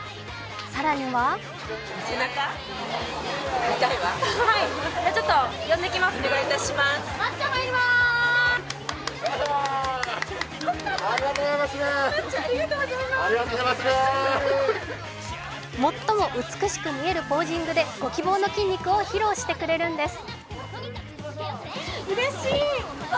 更には最も美しく見えるポージングでご希望の筋肉を披露してくれるんです。